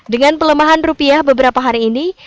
dengan pelemahan rupiah beberapa hari ini